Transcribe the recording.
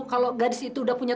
kalau gadis itu udah punya